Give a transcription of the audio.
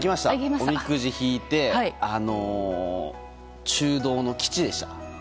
おみくじ引いて、中道の吉でした。